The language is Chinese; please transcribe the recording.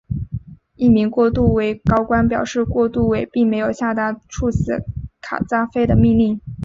一名过渡委高官表示过渡委并没有下达处死卡扎菲的命令。